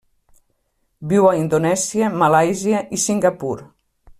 Viu a Indonèsia, Malàisia i Singapur.